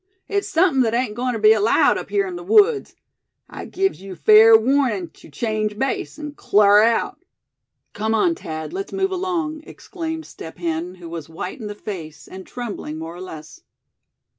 It's sumpin that ain't goin' ter be allowed up here in the woods. I gives yeou fair warnin' tew change base, an' clar out." "Come on, Thad, let's move along!" exclaimed Step Hen, who was white in the face, and trembling more or less.